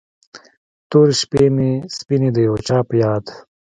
تورې شپې مې سپینې د یو چا په یاد